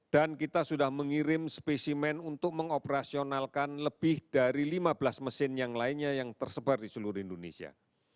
dan kita sudah mengirim spesimen untuk mengoperasionalkan lebih dari lima belas mesin yang lainnya yang tersebar di seluruh indonesia